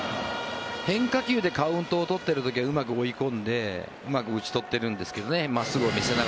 変化球でカウントを取ってる時はうまく追い込んでカウントを取ってるんですけどね。